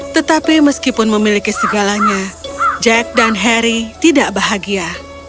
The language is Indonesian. tetapi meskipun memiliki segalanya jack dan harry tidak bahagia